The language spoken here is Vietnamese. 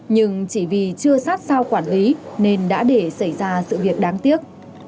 nhưng chỉ vì chưa sát sao quản lý nên đã để xảy ra sự việc đáng tiếc